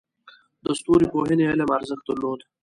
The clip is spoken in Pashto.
د ستورپوهنې علم ارزښت درلود